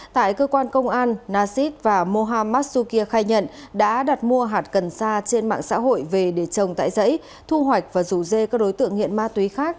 tại cơ quan công an nasid và mohamad sukir khai nhận đã đặt mua hạt cần sa trên mạng xã hội về để trồng tại giấy thu hoạch và rủ dê các đối tượng nghiện ma túy khác